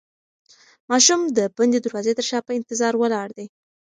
ماشوم د بندې دروازې تر شا په انتظار ولاړ دی.